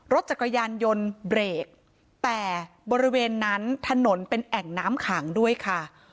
รถจักรยานยนต์เบรกแต่บริเวณนั้นถนนเป็นแอ่งน้ำขังด้วยค่ะ